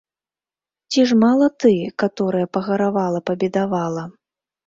Ці ж мала ты, каторая, пагаравала, пабедавала?